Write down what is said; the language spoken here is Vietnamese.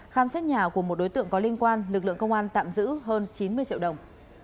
khám xét nhà của một đối tượng có liên quan lực lượng công an tạm giữ hơn chín mươi triệu đồng